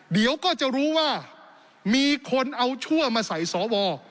เดี๋ยวก็จะรู้ว่ามีคนเอาชั่วมาใส่สว